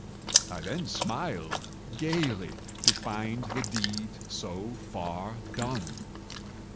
I then smiled gaily, to find the deed so far done.